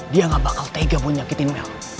dia nggak bakal tega buat nyakitin mel